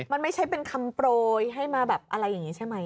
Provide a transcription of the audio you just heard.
มันไม่ใช่เป็นคำโปรยให้มาแบบอะไรอย่างนี้ใช่ไหม